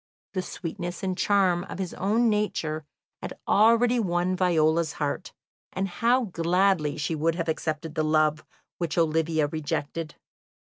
The sweetness and charm of his own nature had already won Viola's heart, and how gladly she would have accepted the love which Olivia rejected!